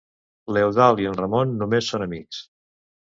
L'Eudald i en Ramon només són amics.